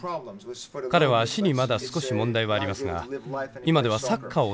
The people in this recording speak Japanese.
彼は足にまだ少し問題はありますが今ではサッカーをすることもできます。